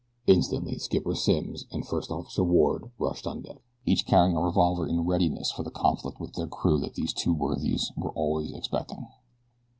Instantly Skipper Simms and First Officer Ward rushed on deck, each carrying a revolver in readiness for the conflict with their crew that these two worthies were always expecting.